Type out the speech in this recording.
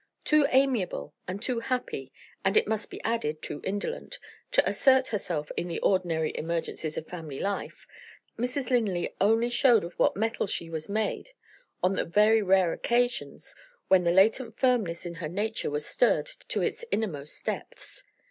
Too amiable and too happy and it must be added too indolent to assert herself in the ordinary emergencies of family life, Mrs. Linley only showed of what metal she was made on the very rare occasions when the latent firmness in her nature was stirred to its innermost depths.